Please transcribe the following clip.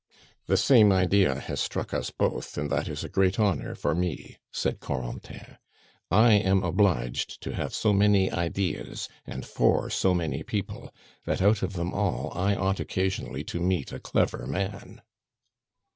"The same idea has struck us both, and that is a great honor for me," said Corentin. "I am obliged to have so many ideas, and for so many people, that out of them all I ought occasionally to meet a clever man."